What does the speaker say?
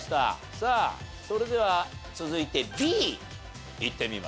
さあそれでは続いてＢいってみましょう。